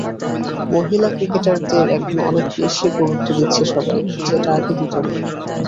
মহিলা ক্রিকেটারদের এখন অনেক বেশি গুরুত্ব দিচ্ছে সবাই, যেটা আগে দিত না।